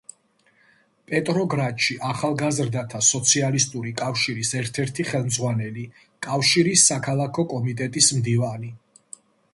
პეტროგრადში ახალგაზრდათა სოციალისტური კავშირის ერთ-ერთი ხელმძღვანელი; კავშირის საქალაქო კომიტეტის მდივანი.